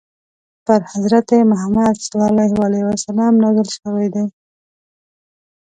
پر حضرت محمد ﷺ نازل شوی دی.